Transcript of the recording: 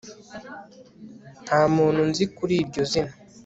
nta muntu nzi kuri iryo zina